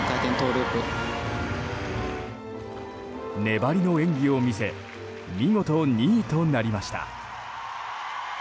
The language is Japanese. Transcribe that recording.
粘りの演技を見せ見事２位となりました。